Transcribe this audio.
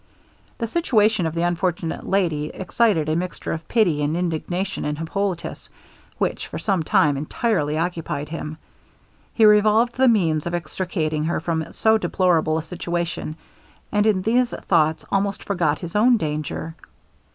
The situation of the unfortunate lady excited a mixture of pity and indignation in Hippolitus, which for some time entirely occupied him; he revolved the means of extricating her from so deplorable a situation, and in these thoughts almost forgot his own danger.